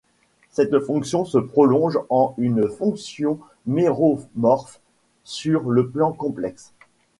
Cette fonction se prolonge en une fonction méromorphe sur le plan complexe.